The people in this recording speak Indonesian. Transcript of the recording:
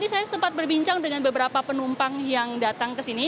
saya sempat berbincang dengan beberapa penumpang yang datang ke sini